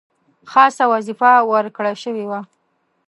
خاصه وظیفه ورکړه شوې وه.